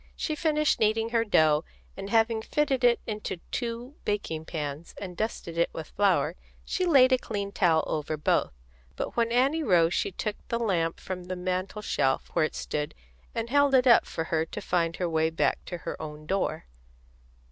She finished kneading her dough, and having fitted it into two baking pans and dusted it with flour, she laid a clean towel over both. But when Annie rose she took the lamp from the mantel shelf, where it stood, and held it up for her to find her way back to her own door.